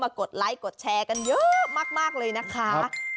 กดไลค์กดแชร์กันเยอะมากเลยนะคะ